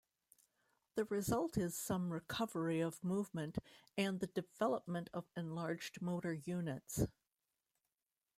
The result is some recovery of movement and the development of enlarged motor units.